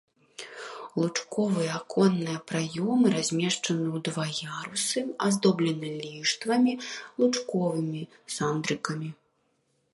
Лучковыя аконныя праёмы размешчаны ў два ярусы, аздоблены ліштвамі, лучковымі сандрыкамі.